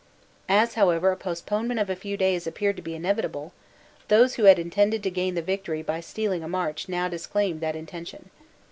As however a postponement of a few days appeared to be inevitable, those who had intended to gain the victory by stealing a march now disclaimed that intention.